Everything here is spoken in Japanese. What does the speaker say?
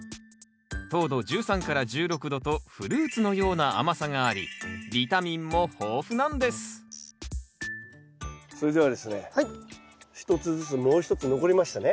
糖度１３１６度とフルーツのような甘さがありビタミンも豊富なんですそれではですね一つずつもう一つ残りましたね。